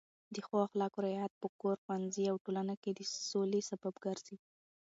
د ښو اخلاقو رعایت په کور، ښوونځي او ټولنه کې د سولې سبب ګرځي.